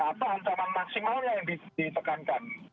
atau ancaman maksimal yang ditekankan